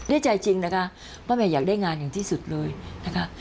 ได้ใจจริงนะคะป้าเมย์อยากได้งานอย่างที่สุดเลยนะคะ